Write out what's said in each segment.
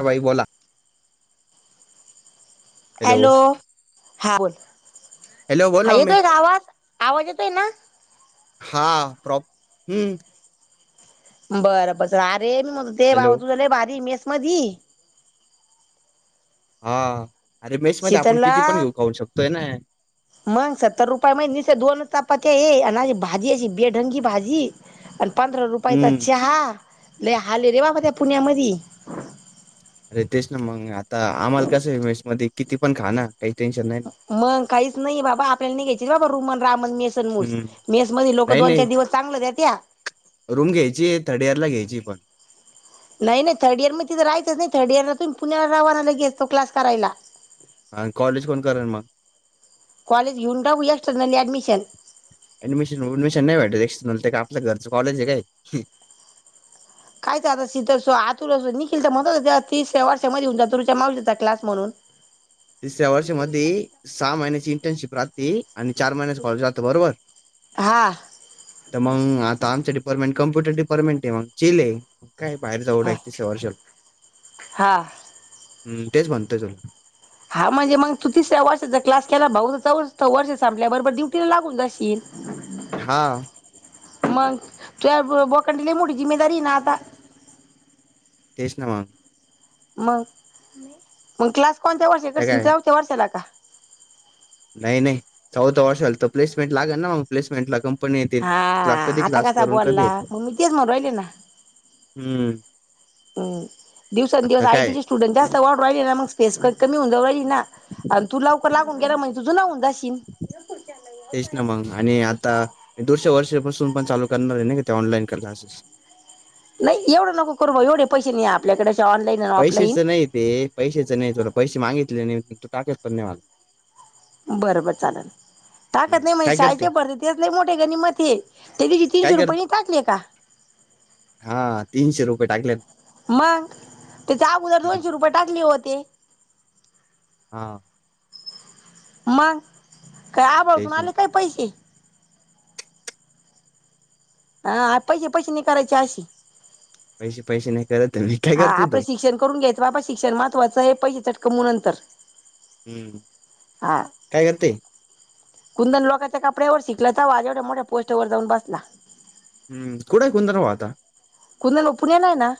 हा बाई बोला हॅलो! हा बोल हॅलो बोल हा ना मम्मी येतोय का आवाज? आवाज येतोय ना? हा प्रॉप हं बरं बर अरे मी म्हणत ते हॅलो भाऊ तुझं लय भारीय मेस मधी हा अरे मेस मध्ये आपण शीतलला कितीपण घेऊ खाऊ शकतोय ना मग सत्तर रुपया मधी निसत्या दोनच चापात्याय आणि अशी भाजी अशी बेढंगी भाजी आणि पंधरा रुपयाचा हम्म चहा लय हालय रे बाबा त्या पुण्यामधी अरे तेच ना मग आता आम्हाला कसंय मेसमधी किती पण खा ना काहीच टेन्शन नाही ना मग काहीच नाही बाबा आपल्याला नाय घ्यायची बाबा रुमन रामन मे सन मुस हम्म मेस मध्ये लोकं नाही दोन चार नाही दिवस चांगलं देत्या रूम घ्यायची थर्ड इयर ला घ्यायची पण नाही थर्ड इयर मधी तिथं राहयचंच नाही थर्ड इयरला तुम्ही पुण्याला रावाना लगे तो क्लास करायला आणं कॉलेज कोण करल मग? कॉलेज घेऊन टाकू यक्सर्टनल ॲडमिशन ऍडमिशन वुडमिशन नाही भेटत ते काय आपल घरचं कॉलेजय काय? काय ते आता सीतर आतुल अस निखिल तर म्हणत त्या तिसऱ्या वर्षामधे होऊन जातु त्या मावशीचा क्लास म्हणून? तिसऱ्या वर्षामध्ये सहा महिन्याची इंटर्नशिप राहती आणि चार महिन्याच कॉलेज राहतं. बरोबर हा तर मंग आता आमचं डिपार्टमेंट कम्प्युटर डिपार्टमेंटय मग चीलय. मग काय बाहेर जाऊ हा डायरेक तिसऱ्या वर्षांत हा हम् तेच म्हणतोय तुला हा म्हणजे म तू तिसऱ्या वर्षाचा क्लास केला भाऊ च वर्ष संपल्या बरोबर ड्युटीला लागून जाशील [unintelligible] हा मग तुझ्या बोकांडी लय मोठी जिम्मेदारीय ना आता तेच ना मग मग मग क्लास कोणत्या वर्षी तर करशील काय चौथ्या वर्षाला का? नाही नाही चौथ्या वर्षा झाल तर प्लेसमेंट लागल ना मग प्लेसमेंटला कं हा हा आता कसा बोलला हे करून. म मी तेच म्हणू रहिले ना हम्म. हम्म दिवसंदिवस आता काय आयटीचे स्टुडंट जास्त वाढू राहिले ना मग स्पेस कमी होऊन जाऊ राहिली ना आणं तू लवकर लागून गेला म्हणजे तु जुना होऊन जाशील. तेच ना मग आणि आता दुसर्‍या वर्षापासून पण चालू करणारय ना का ते ऑनलाईन क्लासेस नाही एवढं नको करू बाई, एवढे पैसे नाही आपल्याकडे ऑनलाईन. आणि ऑफलाईन पैशेचं नाही ते, पैसेचं नाही थोडं पैसे मागितले तू टाकेेत पण ना‌ही मला. बर बर चाललं. हं, टाकत नाही म्हणजे काय करते? शाळेचे पड तेच नाही मोठे गणी मध्ये ते दिशी काय तीनशे करते? रुपये टाकले का? हा तीनशे रुपये टाकलेत. मंग त्याचे अगोदर दोनशे रुपये टाकले होते. हा. मंग काय आभाळातून तेच ना. आलेत काय पैसे. हा, पैसेे पैसे नि करायचे अशी. पैसे पैसे नाहीत. [unintelligible] हा आपलं शिक्षण करून घ्यायचं, बाबा शिक्षण महत्त्वाचं हे पैसे चटकमू नंतर. हम्म, हा काय करते. कुंदन लोकांच्या कपड्यावर शिकलत [unintelligible] मोठ्या पोस्टवर जाऊन बसला. हम्म कुट कुंदण वा आता. कुदंन पुण्याला लै ना.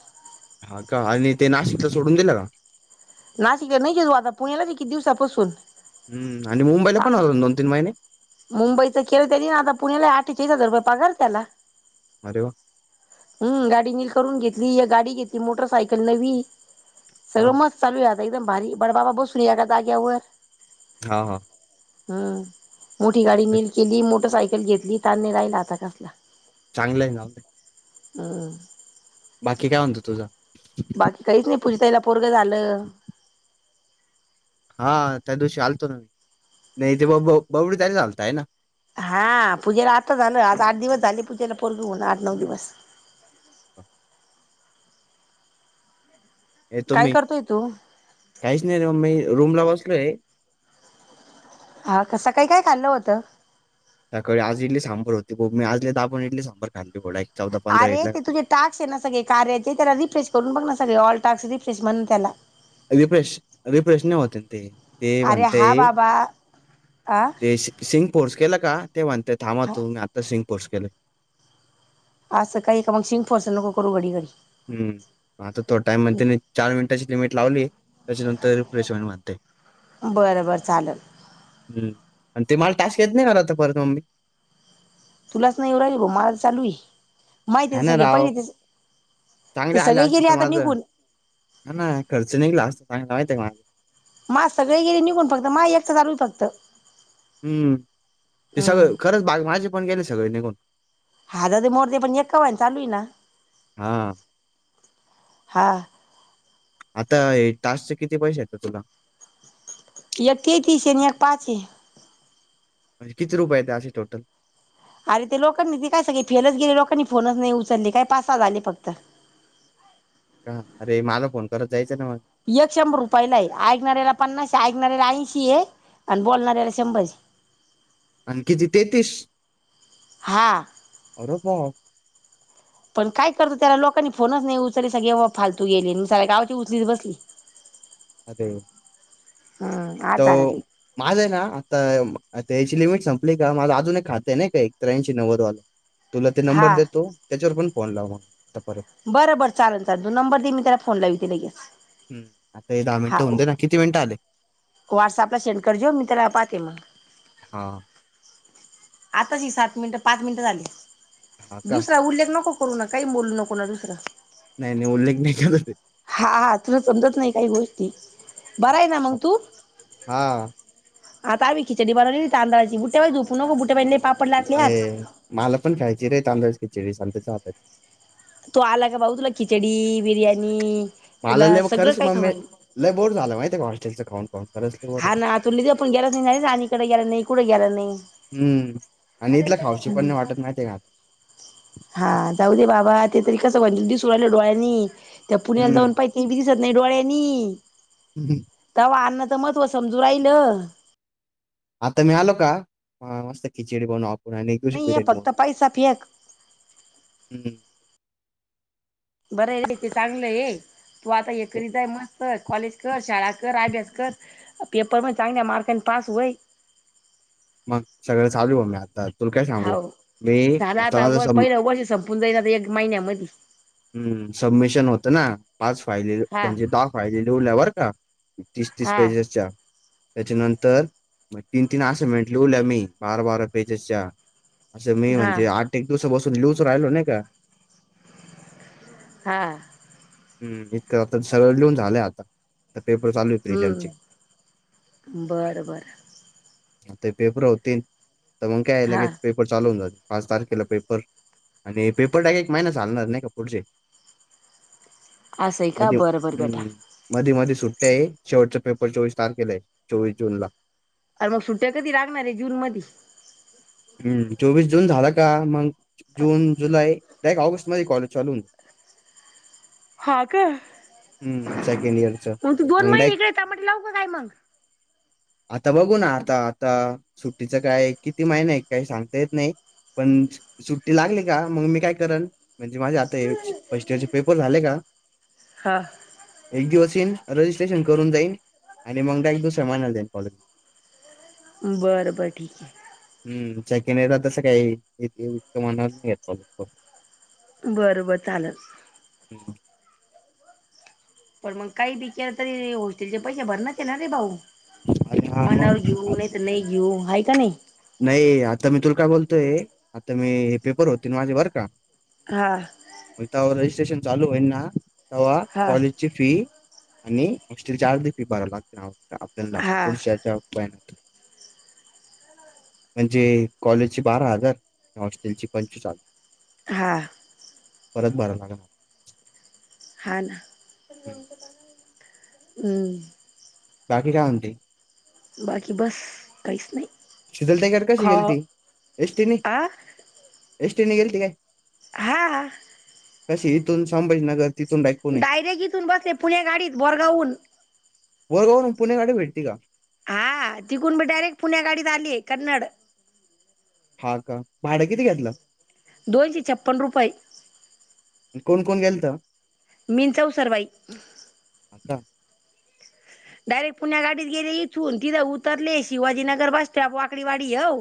हा कां, आणि ते नाशिकच सोडून दिलं का? नाशिकला नाहीचे तो, आता पुण्यालाच आहे किती दिवसापासून. हम.. आणि मुंबईला आ- पण होतान दोन -तीन महिने. मुंबईचं केलं त्यानी आता, पुण्याला अठ्ठेचाळीस हजार रुपये पगार ये त्याला. अरे वा! हम् गाडी निल करून घेतली, एक गाडी घेतली मोटरसायकल नवी, हा सगळं म चालू आता एकदम भारी बड, बाबा बसून एका जागेवर. हा हा. हम्म.. मोठी गाडी नील केली, मोटर सायकल घेतली तान राहिला आता कसला. चांगलं आहे ना. हम. बाकी काय म्हणतो तुझं. बाकी काहीच नाही, पुजताईला पोरगं झालं. हा त्या दिवशी आलतो ना मी, नाही ते ब ब -बवडी आलतय ना. हा पूजेला आत्ता झालं, आज आठ दिवस झाले पूजेला पोरगं होवून आठ नऊ दिवस. ये काय तुम्ही करतोय तू काहीच नाही, रे मी रूम ला बसलोय. हा सकाळी काय खाल्लं होतं. त्याकाळी आज इडली सांबर होती, [unintelligible] इडली सांबार बडी. अरे ते तुझे टाक्स आहे ना, सगळे कार्याचे त्याला रिफ्रेश करून बघ ना सगळे, ऑल टाक्स रिफ्रेश म्हणून त्याला. रिफ्रेश -रिप्रेश नाही होते ते, ते अरे म्हणते हा बाबा आ ते सिंग पोर्स केलं का, ते म्हणतय थांबा तू मी आता सिंग पोर्स केलं. असं काही का मग शिंको असं, नको करू घडी घडी. हम्म आता तो टाइम म्हणते त्ये चार मिनिटाची लिमिट लावली. तेच्यानंतर प्रेशवेण म्हणते. बरं बरं चाललं. हम्, आणि ते मला टास्क येत नाही, मला आता परत मम्मी. तुलाच नाही येवून राहिल ब मला चालू ये. माहिती हा ते ना सगळे राव पहिले ते, चांगले ते आले सगळे असते गेले तर आता माझं निघून. [unintelligible] मा सगळे गेले निघून फक्त, माय एकच चालू फक्त. हम्म, ते हम्म सगळं खरंच बाग माझे पण गेले सगळे निघून. हा दा मोर्ते पण एककावा चालू आहे ना, हा हां आता टास्कचे किती पैसे येत तुला? एकतेतीस आहे आणि एक पाच ये. किती रुपये ते असे टोटल. अरे ते लोकांनी ती काय सगळी फेलच गेले लोकांनी फोनच नाही उचलले काय पासा झाले फक्त. का अरे मला फोन करत जायचं ना मला एक शंभर रुपयाला आहे ऐकणाऱ्याला पन्नास ऐकणाऱ्याला ऐंशी आहे आणि बोलणाऱ्याला शंभर. आणखी जि तेतीस हा अर भा पण काय करतो त्याला लोकांनी फोनच नाही उचले सगळे फालतू गेले मी स्या गावची उचलीच बसली. अे हम तो माझ आहे ना आताता याची लिमिट संपली का माझं अजून एक खातं आहे नाही का एकत्र्याऐंशी नवरवालं. तुला ते नंबर हा देतो त्याच्यावर पण फोन लावग आता परत बरं बर चाल चाल तो नंबर दे म त्याला फोन लाव त लगेच. हम् आता हे दहा हा मिनिटं होऊ दे ना किती मिनिटं आले. व्हॉट्सअपला सेंड करजे मी तरला पाहते मग हा आताची सात मिनिटं पाच मिनिटं झाली हा का दुसरा उल्लेख नको. करू ना काही बोलू नको ना दुसरा. नाही नाही उल्लेख नाही करत ते हा हा तुला समजत नाही काही गोष्टी बर आहे ना मंग आप- तू हा हा भ खिचडी बवली ना तांडळाची बुटे पाऊू बट पाहिले पा. अ मला पण खायची रे तांदच खिचडी सांताचाताची. तू आला का बाऊ तुला खिचडी बिर्यानी मला लय मग खरंच मग मी लय बोर झालं माहिती आहे का हॉस्टेलचं खाऊन पाऊून. हा ना तु ले आपण गेला नाही नाही आणिणीकडे गेलं नाही कुठे गेलं नाही. हम्म आणि इथलं खावशी पण नाही वाटत नाही ते घ हा जाऊ दे बाबा ते तरी कस वण दिस उडले डोळ्यांनी त्या पुण्याला जाऊन हम्म पाहि. ते बिकीसत नाही डरळेनी ब तव अ् तर महत्व समजू राहिल. आता मी आलो का मस्त खिचडी बनवा आपण आणि घ श नाहीये बिर. फक्त पैसा फेक. हम्म बरं आहे ते चांगलं ये तू आता हे करीत आहे मग कर कॉलेज कर शाळा कर आय बी एस कर पेपर म चांगल्या मार्कन पास होय. मग सगळं चालू आहे मी आता तुला काय सांगू हो मी झाला आता माझं वर सम पहिलं वर्ष संपून जाईना एक महिन्यामध्ये हम्म सबमिशन होतं ना पाच फायले हा म्हणजे दहा फायले लिवल्यावरर का? तीस तीस हा. पसच्या त्याच्यानंतर तीन तीन असे मिेन लूल मी बारा बारा पेजेसच्या असं मी हा म्हणजे आठ एक दिवस बसून लिूज राहिलो नाही का? हा हम्म इतकं आता सरळ लिहून झालंय आता पेपर चालू आहे प्रि आमचे बड बरं ते पेपर होतील तर मग काय हा. लगेच पपर र चालवून जाते पाच तारखेला पेपर आणि पेपर टा एक महिना चालणार नाही का पुढचे असं आहे का अज बरं बरं बेटा. हम्म मधी मध्ये सुट्ट्या आहे शेवटचा पेपर चोवीस तारखेला आहे चोवीस जून ला. अर मग सुट्ट्या कधी लागणार आहे जून मध्ये हम् चोवीस जून झाला का मग जून जुलै त्या एक ऑगस्ट मध्ये कॉलेज चालून. हा का हम्म सेकंड इयरचं मग तू दोन महिने डायरेक्ट इकडे त म्हट लाव का काय मग आता बघू ना आता आता सुट्टीचं काय किती महिन आहे. काही सांगता येत नाही पण सुट्टी लागली का मग मी काय करल म्हणजे माझे आता फर्स्ट इयर चे पेपर झाले का हा. एक दिवस ईन रजिस्ट्रेशन करून जाईन आणि मग डायरेक्ट दुसऱ्या महिन्याला जाईन कॉलेज. बरं बर ठीक आहे. हम्म सेकंड इयरला तसं काही इतकं मनावर घेत [unintelligible] नाही कोणी. बरं बरं चालेल. [inaudible] पण मग काही [unintelligible] तरी हॉस्टेलचे पैसे भरणच ये ना रे भाऊ. आणि हा मनावर मग घेऊ आत- नाही तर नाही घेऊ आहे का नाही. नाही आता मी तूला काय बोलतोय आता मी हे पेपर होतील माझे बरं का हा. होईल तेव्हा रजिस्ट्रेशन चालू होईना तवा हा. कॉलेज ची फी आणि हॉस्टेलच्या अर्धी फी भरा लागते अप आपल्याला हा पुढच्या याचा बाय. म्हणजे कॉलेज ची बारा हजार हॉस्टेल ची पंच्चेचाळ. हा. परत भरणारा हा ना हम्म. हम्म. बाकी काय म्हणते. बाकी बस काहीच नाही. शितल ताईकडे कशी खा गेलती एसटीनी आ एसटीने गेलती काय. हा. कशी इथून संभाजीनगर तिथून पुणे डायरेक्ट इथून बस ये पुणे गाडीत बोरगाव हुन. बोरगावहुन पुणे गाडी भेटती का? हा तिकून मी डायरेक्ट पुण्या गाडीत आली आहे कन्नड. हा का भाडं किती घेतलं. दोनशे छप्पन्न रुपये. कोण कोण गेलथ. मिन चैसर बाई. हा का? डायरेक्ट पुण्या गाडीत गेले इथून तिथं उतरले शिवाजीनगर बस स्टॉप वाकडी वाडी हव.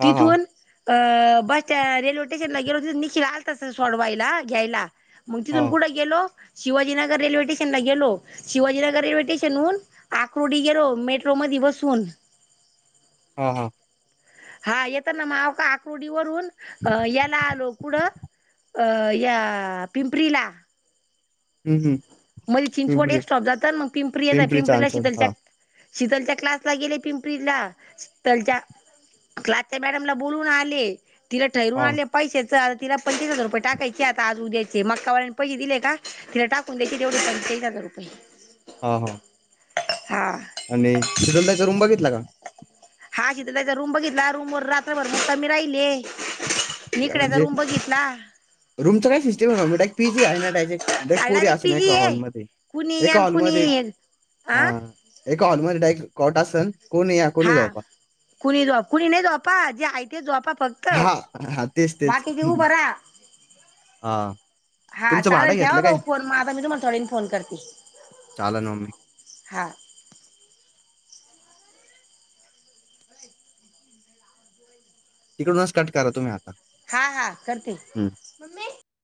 हां, हां. तिथून अ बस स्ट रेल्वे स्टेशनला गेलो निखील आलथा सोडवायला घ्यायला. मग तिथून हां, कुठं गेलो शिवाजीनगर रेल्वे स्टेशन ला गेलो शिवाजीनगर रेल्वे स्टेशनहून आक्रोडी गेरो मेट्रो मधी बसून हा हा. हा येत ना मावका आकोडी वरून अ याला आलो कुढं अ या पिंपरीला. हं, हं. मध्ये चिंचवड पिंपरी एक स्टॉप जात मग पिंपरी येत पिंपरीला चांदवड. शीतलचा हां, शीतलच्या क्लासला गेले पिंपरी ला शीतलच्या क्लासच्या मॅडमला बोलून आले. तिला ठरून हां, आले पैशाचं तिला पंचवीस हजार रुपये टाकायचे आता आज उद्यायचे मक्कावाल्यानी पैसे दिले का तिला टाकून देती तेवढं पंचेचाळीस हजार रुपये. हा हा. हा. आणि शीतल ताईचा रूम बघितला का? हा शितलताई चा रूम बघितला रूम वर रात्रभर मुक्कामी राहिले. निकड्याचा रूम बघितला. रूमच काय सिस्टम ये मम्मी पीजी आहे ना. [unintelligible] देख अरे पोरी डायरेक्ट अस पीजी नाहीका आहे हॉलमध्ये कुणी या एका न कुणी हॉलमध्ये येईल आ हा! एका हॉलमल डाईक खोटं असन, कोणी या कोणी हा झोपा, कुणी जा कुणी नाही झोपा जेहाय ते झोपा फ क्त हां, हां. तेच, बाकीची उभरहा, हा, हा चाललं ठेवा भाऊ फोन, म -मी आता तुम्हाला थोडावेळनी फोन करते. चला [unintelligible] हा, तिकडूनच कट करा तुम्ही, हा, हा करते. हं.